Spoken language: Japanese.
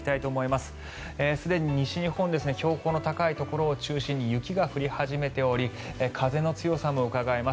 すでに西日本標高の高いところを中心に雪が降り始めており風の強さもうかがえます。